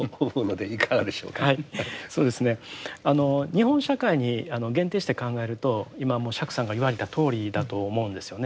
はいそうですね日本社会に限定して考えると今もう釈さんが言われたとおりだと思うんですよね。